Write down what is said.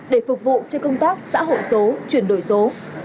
để phục vụ cho công tác xã hội số chuyển đổi số